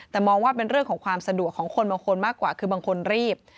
แต่มองว่าเป็นเรื่องของความสะดวกของคนบางคนมากกว่าคือบางคนรีบ